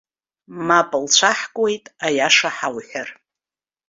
Мап лцәаҳкуеит аиаша ҳауҳәар.